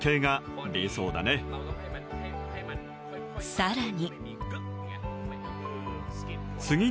更に。